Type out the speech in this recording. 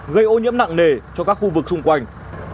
gây ô nhiễm nặng nề cho các khu vực xung quanh